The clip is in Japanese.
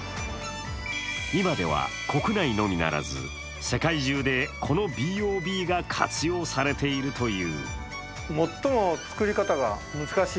今では国内のみならず世界中でこのＢＯＢが活用されているという。